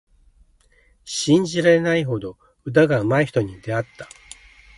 信じられないほど歌がうまい人に出会った。